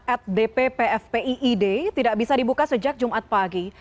at dppfpi id tidak bisa dibuka sejak jumat pagi